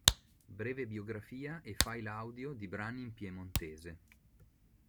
Breve biografia e file audio di brani in piemontese